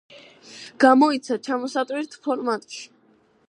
გამოიცა ჩამოსატვირთ ფორმატში.